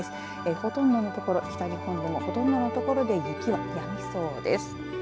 ほとんどの所、北日本ではほとんどの所で雪はやみそうです。